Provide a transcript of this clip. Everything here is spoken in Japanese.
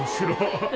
ハハハハ。